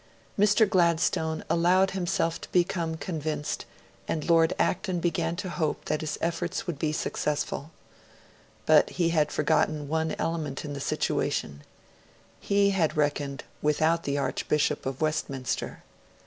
Mr. Gladstone allowed himself to become convinced, and Lord Acton began to hope that his efforts would be successful. But, he had forgotten one element in the situation; he had reckoned without the Archbishop of Westminster.